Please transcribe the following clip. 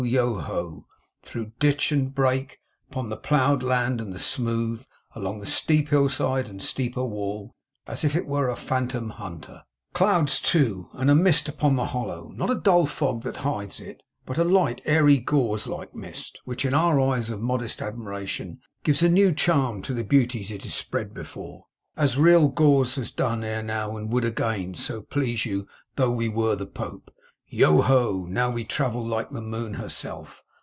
Yoho! through ditch and brake, upon the ploughed land and the smooth, along the steep hillside and steeper wall, as if it were a phantom Hunter. Clouds too! And a mist upon the Hollow! Not a dull fog that hides it, but a light airy gauze like mist, which in our eyes of modest admiration gives a new charm to the beauties it is spread before; as real gauze has done ere now, and would again, so please you, though we were the Pope. Yoho! Why now we travel like the Moon herself.